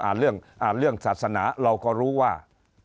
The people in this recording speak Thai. อ่านเรื่องศาสนาเราก็รู้ว่า